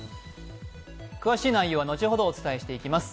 詳しい内容は後ほどお伝えしていきます。